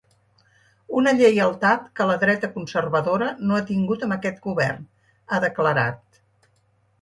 Una lleialtat que la dreta conservadora no ha tingut amb aquest govern, ha declarat.